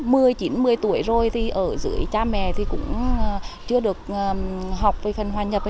mười chín mười tuổi rồi thì ở dưới cha mẹ thì cũng chưa được học về phần hoàn nhập